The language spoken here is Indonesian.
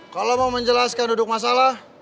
kalau mau menjelaskan duduk masalah